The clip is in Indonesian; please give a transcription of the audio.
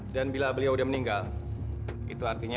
dan bila beliau udah meninggal itu artinya